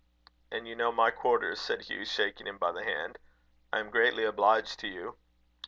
"And you know my quarters," said Hugh, shaking him by the hand. "I am greatly obliged to you."